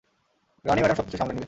রানি madam সবকিছু সামলে নিবে।